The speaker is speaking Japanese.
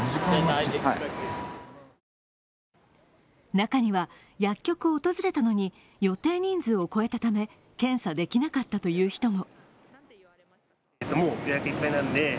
中には、薬局を訪れたのに予定人数を超えたため検査できなかったという人も。